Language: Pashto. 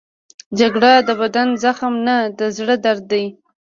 جګړه د بدن زخم نه، د زړه درد دی